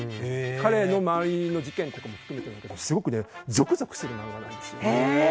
彼の周りの事件も含めてすごくゾクゾクする漫画なんです。